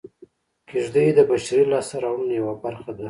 کېږدۍ د بشري لاسته راوړنو یوه برخه ده